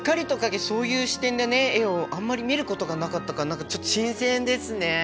そういう視点で絵をあんまり見ることがなかったから何かちょっと新鮮ですね！